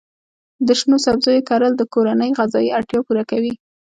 د شنو سبزیو کرل د کورنۍ غذایي اړتیا پوره کوي.